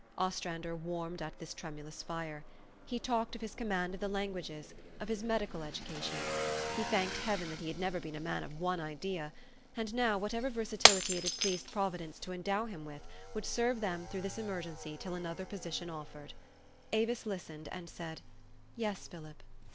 Ostrander warmed at this tremu lous fire He talked of his command of the lan guages, of his medical education. He thanked Heaven that he had never been a man of one idea ; and now, whatever versatility it had pleased Provi dence to endow him with would serve them through THE STORY OF AVIS. this emergency till another position offered. Avis listened, and said, " Yes, Philip."